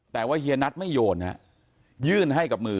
แต่ว่าเฮียนัทไม่โยนยื่นให้กับมือ